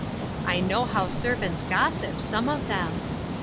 I know how servants gossip, some of them.